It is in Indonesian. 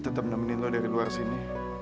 tetap nemenin lo dari luar sini